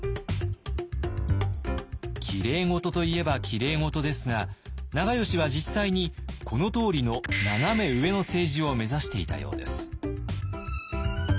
きれい事といえばきれい事ですが長慶は実際にこのとおりのナナメ上の政治を目指していたようです。